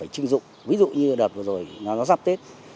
chứng dụng ví dụ như đợt vừa rồi nó gặp tết